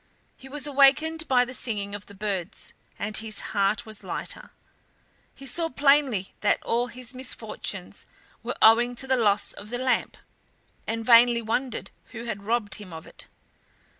He was awakened by the singing of the birds, and his heart was lighter. He saw plainly that all his misfortunes were owning to the loss of the lamp, and vainly wondered who had robbed him of it.